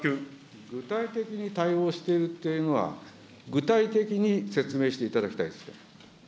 具体的に対応しているっていうのは、具体的に説明していただきたいですけど。